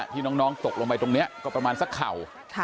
ที่น้องตกลงไปตรงนี้ก็ประมาณสักเข่า